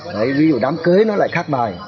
đấy ví dụ đám cưới nó lại khác bài